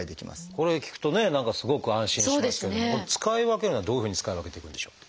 これを聞くとね何かすごく安心しますけれども使い分けるのはどういうふうに使い分けていくんでしょう？